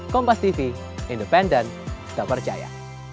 kompastv independen dan percaya